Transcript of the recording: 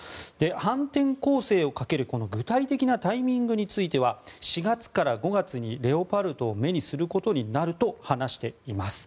反転攻勢をかける具体的なタイミングについては４月から５月にレオパルトを目にすることになると話しています。